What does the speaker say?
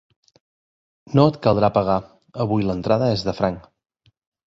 No et caldrà pagar: avui l'entrada és de franc.